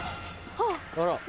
あら！